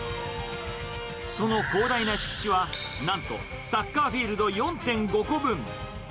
その広大な敷地は、なんと、サッカーフィールド４．５個分。